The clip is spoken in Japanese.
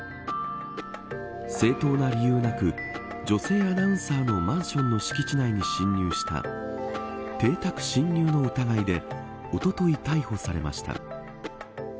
正当な理由なく女性アナウンサーのマンションの敷地内に侵入した邸宅侵入の疑いでおととい、逮捕されました。